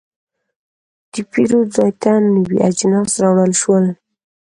د پیرود ځای ته نوي اجناس راوړل شول.